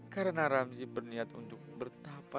karena ramji berniat untuk bertahap